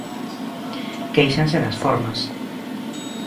Quéixanse das formas.